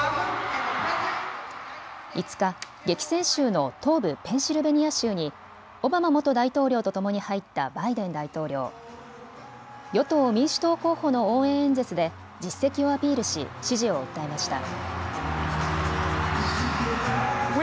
５日、激戦州の東部ペンシルベニア州にオバマ元大統領とともに入ったバイデン大統領。与党民主党候補の応援演説で実績をアピールし支持を訴えました。